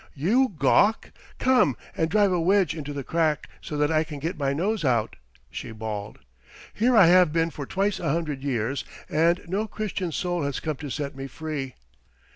"You gawk! Come and drive a wedge into the crack so that I can get my nose out," she bawled. "Here I have been for twice a hundred years and no Christian soul has come to set me free."